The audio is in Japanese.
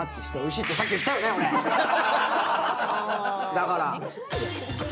だから！！